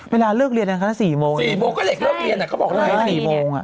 เมื่อเลิกเรียนงั้นค่ะ๔มง